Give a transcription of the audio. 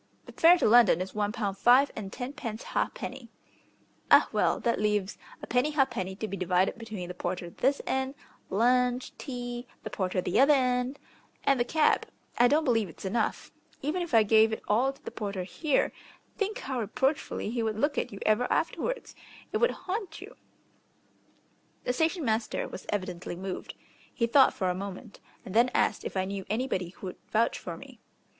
"The fare to London is one pound five and tenpence ha'penny." "Ah; well, that leaves a penny ha'penny to be divided between the porter this end, lunch, tea, the porter the other end, and the cab. I don't believe it's enough. Even if I gave it all to the porter here, think how reproachfully he would look at you ever afterwards. It would haunt you." The station master was evidently moved. He thought for a moment, and then asked if I knew anybody who would vouch for me.